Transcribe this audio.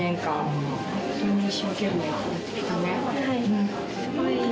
はい。